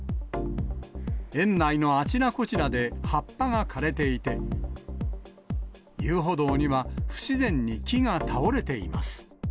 園内のあちらこちらで葉っぱが枯れていて、遊歩道には不自然に木が倒れています。